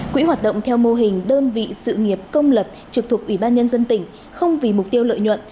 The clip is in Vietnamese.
quỹ hoạt động theo mô hình đơn vị sự nghiệp công lập trực thuộc ủy ban nhân dân tỉnh không vì mục tiêu lợi nhuận